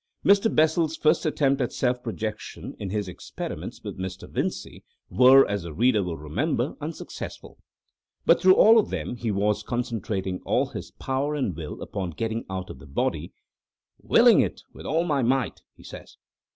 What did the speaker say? Mr. Bessel's first attempts at self projection, in his experiments with Mr. Vincey, were, as the reader will remember, unsuccessful. But through all of them he was concentrating all his power and will upon getting out of the body—"willing it with all my might," he says.